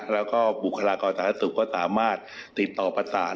แล้วก็บุคลากรสาธารณสุขก็สามารถติดต่อประสาน